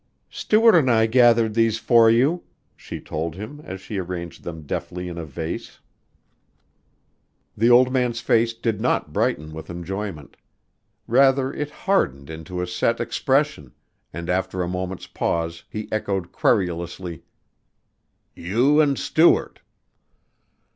"Stuart and I gathered these for you," she told him as she arranged them deftly in a vase. The old man's face did not brighten with enjoyment. Rather it hardened into a set expression, and after a moment's pause he echoed querulously, "You and Stuart."